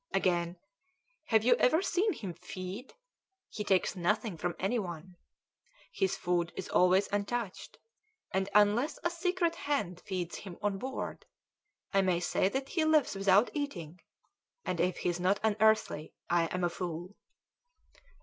Again, have you ever seen him feed? He takes nothing from any one. His food is always untouched and unless a secret hand feeds him on board, I may say that he lives without eating, and if he's not unearthly, I'm a fool!"